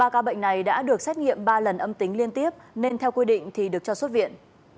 ba ca bệnh này đã được xét nghiệm ba lần âm tính liên tiếp nên theo quy định thì được cho xuất viện